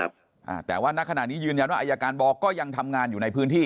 อ่าแต่ว่าณขณะนี้ยืนยันว่าอายการบอก็ยังทำงานอยู่ในพื้นที่